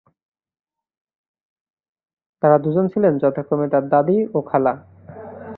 তাঁরা দুজন ছিলেন যথাক্রমে তাঁর দাদি ও খালা।